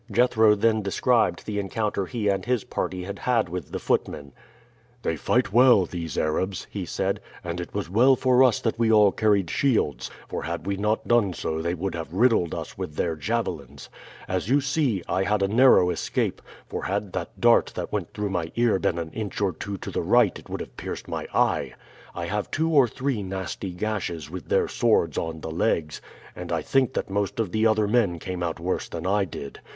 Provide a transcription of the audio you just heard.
Jethro then described the encounter he and his party had had with the footmen. "They fight well, these Arabs," he said, "and it was well for us that we all carried shields; for had we not done so they would have riddled us with their javelins. As you see, I had a narrow escape; for had that dart that went through my ear been an inch or two to the right it would have pierced my eye. I have two or three nasty gashes with their swords on the legs, and I think that most of the other men came out worse than I did.